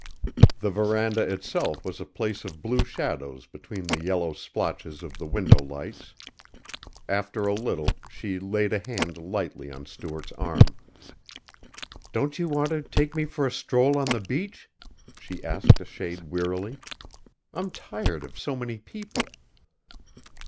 The veranda itself was a place of blue shadows between the yellow splotches of the window lights. After a little she laid a hand lightly on Stuart's arm. "Don't you want to take me for a stroll on the beach?" she asked a shade wearily. "I'm tired of so many people."